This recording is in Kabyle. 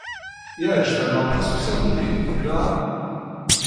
Yeɛjeb-am aṭas usaru-nni, naɣ?